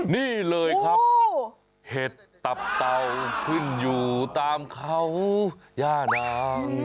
นี่เลยครับเห็ดตับเต่าขึ้นอยู่ตามเขาย่านาง